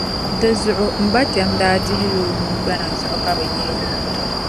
Dinzuɣu, M-bakpɛm daa dihi la o nuu gbana zuɣu ka bɛ yihi li